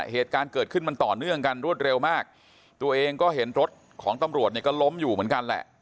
เหตุการณ์เกิดขึ้นมันต่อเนื่องกันรวดเร็วมากตัวเองก็เห็นรถของตำรวจเนี่ยก็ล้มอยู่เหมือนกันแหละ